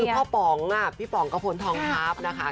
คือพ่อป๋องพี่ป๋องกระพลทองทัพนะคะ